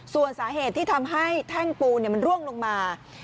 ส่วนสาเหตุที่ทำให้แท่งปูนมันร่วงลงมา